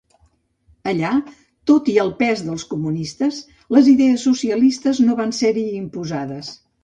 Allà, tot i el pes dels comunistes, les idees socialistes no van ser-hi imposades.